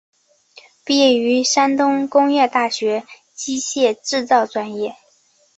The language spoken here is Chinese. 毕业于山东工业大学机械制造专业。